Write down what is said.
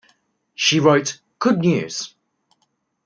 She wrote: Good news.